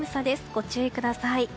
ご注意ください。